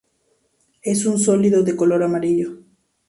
Es un sólido de color amarillo.